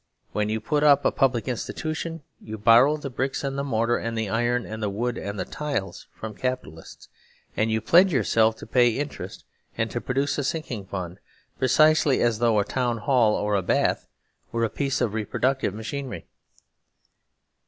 When you put up a public institu tion you borrow the bricks and the mortar and the 181 THE SERVILE STATE iron and the wood and the tiles from Capitalists, and you pledge yourself to pay interest, and to produce a sinking fund precisely as though a town hall or a bath were a piece of reproductive machinery.